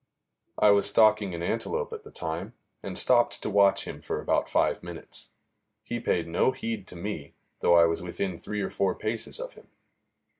I was stalking an antelope at the time, and stopped to watch him for about five minutes. He paid no heed to me, though I was within three or four paces of him.